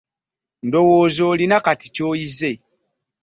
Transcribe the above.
Ndowooza olina kati ky'oyize.